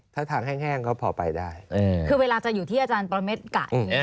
ถ้าทางแห้งก็พอไปได้คือเวลาจะอยู่ที่อาจารย์ประเมฆกะ